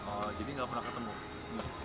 oh jadi nggak pernah ketemu